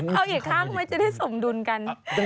เอาอีกข้างไว้จะได้สมดุลกัน